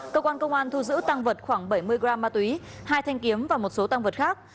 cơ quan công an thu giữ tăng vật khoảng bảy mươi gram ma túy hai thanh kiếm và một số tăng vật khác